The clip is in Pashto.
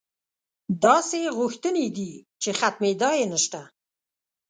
داسې غوښتنې یې دي چې ختمېدا یې نشته.